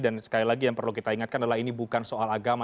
dan sekali lagi yang perlu kita ingatkan adalah ini bukan soal masalah